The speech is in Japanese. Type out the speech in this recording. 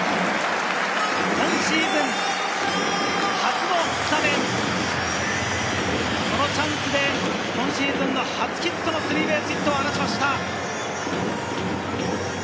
今シーズン初のスタメン、そのチャンスで今シーズンの初ヒットのスリーベースヒットを放ちました！